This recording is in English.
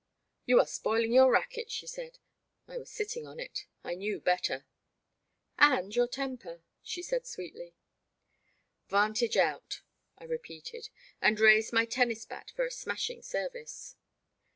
You are spoiling your racquet, she said. I was sitting on it. I knew better. And your temper, she said, sweetly. Vantage out," I repeated, and raised my ten nis bat for a smashing service.